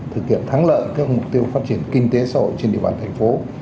thực hiện thắng lợi các mục tiêu phát triển kinh tế xã hội trên địa bàn thành phố